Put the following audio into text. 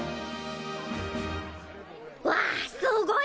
わあすごいね！